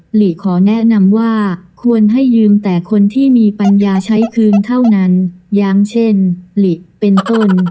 หลีขอแนะนำว่าควรให้ยืมแต่คนที่มีปัญญาใช้คืนเท่านั้นอย่างเช่นหลีเป็นต้น